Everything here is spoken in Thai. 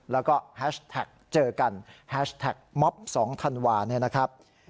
แล้วก็แฮชแท็กเจอกันแฮชแท็กม็อบ๒ธันวาเนี่ยนะครับ